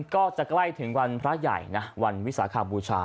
ใกล้ถึงวันพระใหญ่นะวันวิสาขบูชา